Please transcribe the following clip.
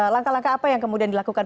langkah langkah apa yang kemudian dilakukan